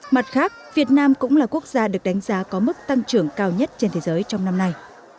mặt khác việt nam cũng là quốc gia được đánh giá có mức tăng trưởng cao nhất trên thế giới trong năm nay